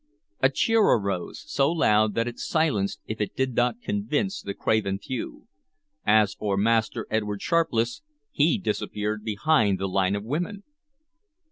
A cheer arose, so loud that it silenced, if it did not convince, the craven few. As for Master Edward Sharpless, he disappeared behind the line of women.